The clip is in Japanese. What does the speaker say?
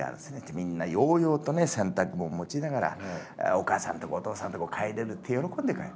みんな揚々とね洗濯物持ちながらお母さんとこお父さんとこ帰れるって喜んで帰る。